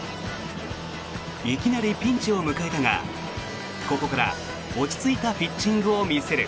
いきなりピンチを迎えたがここから落ち着いたピッチングを見せる。